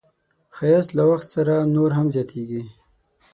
ښایست له وخت سره نور هم زیاتېږي